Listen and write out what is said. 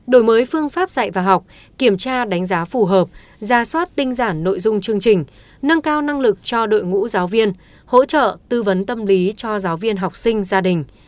đổi mới phương pháp dạy và học kiểm tra đánh giá phù hợp ra soát tinh giản nội dung chương trình nâng cao năng lực cho đội ngũ giáo viên hỗ trợ tư vấn tâm lý cho giáo viên học sinh gia đình